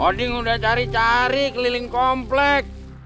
oding udah cari cari keliling kompleks